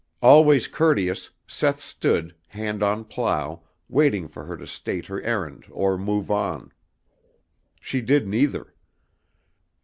Always courteous, Seth stood, hand on plough, waiting for her to state her errand or move on. She did neither.